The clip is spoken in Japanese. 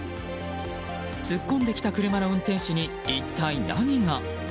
突っ込んできた車の運転手に一体何が。